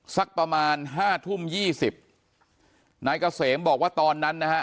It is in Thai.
สักประมาณ๕ทุ่ม๒๐นายเกษมบอกว่าตอนนั้นนะฮะ